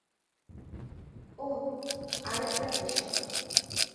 ওহ, আরেকটা বিষয়।